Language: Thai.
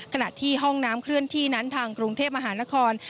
ขณะที่ห้องน้ำเคลื่อนที่นั้นทางกรุงเทพมหานคร